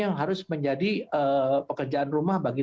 yang harus menjadi pekerjaan rumah bagi